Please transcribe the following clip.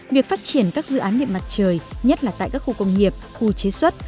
việc phát triển các dự án điện mặt trời nhất là tại các khu công nghiệp khu chế xuất